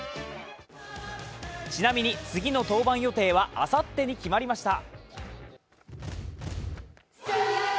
ちなみに、次の登板予定はあさってに決まりました。